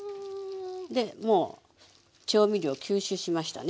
でもう調味料吸収しましたね。